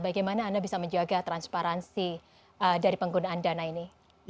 bagaimana anda bisa menjaga transparansi dari penggunaan dana ini